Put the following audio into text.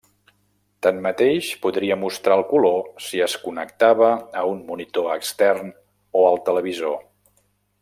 Tanmateix, podria mostrar el color si es connectava a un monitor extern o al televisor.